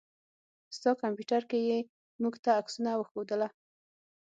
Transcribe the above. ستا کمپيوټر کې يې موږ ته عکسونه وښودله.